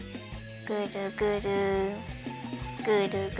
ぐるぐるぐるぐる！